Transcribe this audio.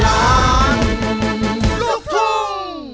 ไฟเฟิร์มพร้อม